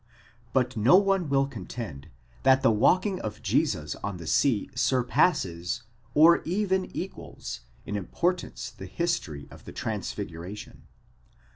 But no one will contend that the walking of Jesus on the sea surpasses, or even equals, in importance the history of the transfiguration.